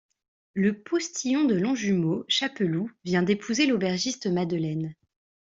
Le postillon de Lonjumeau, Chapelou, vient d'épouser l'aubergiste Madeleine.